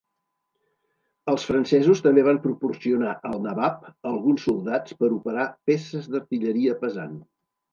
Els francesos també van proporcionar al Nabab alguns soldats per operar peces d'artilleria pesant.